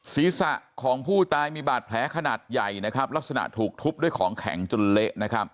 ศีรษะของผู้ตายมีบาดแผลขนาดใหญ่นะครับลักษณะถูกทุบด้วยของแข็งจนเละนะครับ